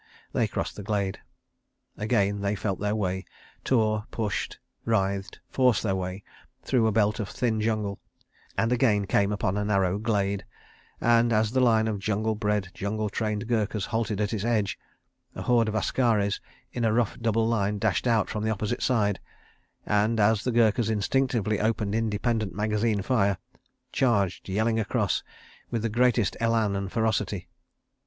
They crossed the glade. Again they felt their way, tore, pushed, writhed, forced their way, through a belt of thin jungle, and again came upon a narrow glade and, as the line of jungle bred, jungle trained Gurkhas halted at its edge, a horde of askaris in a rough double line dashed out from the opposite side and, as the Gurkhas instinctively opened independent magazine fire, charged yelling across, with the greatest élan and ferocity.